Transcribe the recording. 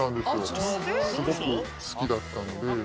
すごく好きだったんで。